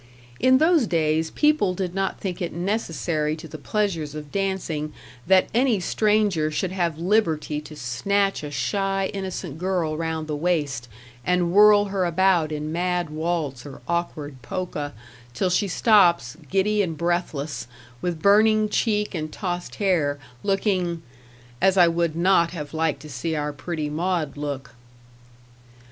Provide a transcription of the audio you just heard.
In those days people did not think it necessary to the pleasures of dancing that any stranger should have liberty to snatch a shy, innocent girl round the waist, and whirl her about in mad waltz or awkward polka, till she stops, giddy and breathless, with burning cheek and tossed hair, looking, as I would not have liked to see our pretty Maud look.